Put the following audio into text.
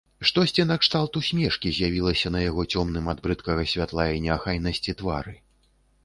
Штосьці накшталт усмешкі з'явілася на яго цёмным ад брыдкага святла і неахайнасці твары.